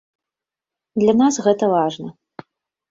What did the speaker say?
Для нас гэта важна.